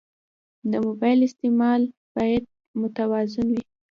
د موبایل استعمال باید متوازن وي.